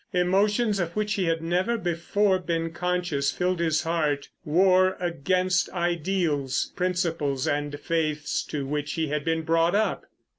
Emotions of which he had never before been conscious filled his heart—war against ideals, principles and faiths to which he had been brought up.